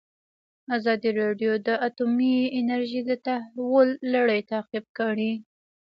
ازادي راډیو د اټومي انرژي د تحول لړۍ تعقیب کړې.